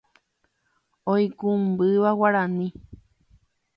oikũmbýva guarani